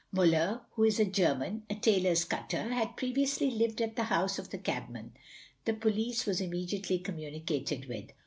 Muller, who is a German, a tailor's cutter, had previously lived at the house of the cabman. The police were immediately communicated with.